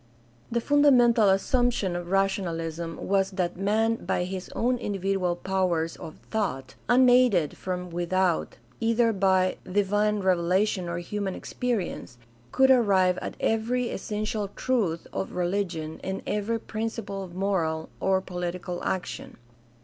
The fundamental assumption of rationalism was that man by his own individual powers of thought, unaided from without, either by divine revelation or human experience, could arrive at every essential truth of religion and every principle of moral or political action.